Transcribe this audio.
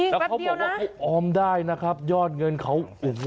แล้วเขาบอกว่าให้ออมได้ยอดเงินของเขา